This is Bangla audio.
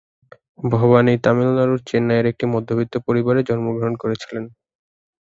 ভবানী তামিলনাড়ুর চেন্নাইয়ের একটি মধ্যবিত্ত পরিবারে জন্মগ্রহণ করেছিলেন।